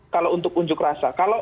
kalau untuk unjuk rasa